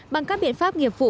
bằng các biện pháp nghiệp vụ